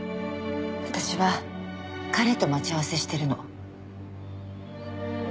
私は彼と待ち合わせしてるの。